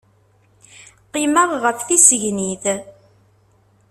Qqimeɣ ɣef tisegnit.